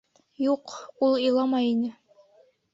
Юҡ, ул иламай ине.